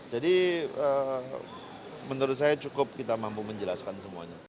jadi menurut saya cukup kita mampu menjelaskan semuanya